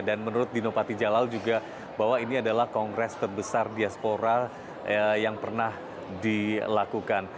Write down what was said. dan menurut dino pati jalal juga bahwa ini adalah kongres terbesar diaspora yang pernah dilakukan